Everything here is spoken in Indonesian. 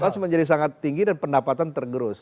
cost menjadi sangat tinggi dan pendapatan tergerus